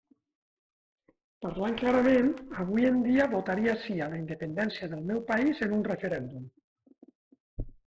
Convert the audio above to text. Parlant clarament avui en dia votaria sí a la independència del meu país en un referèndum.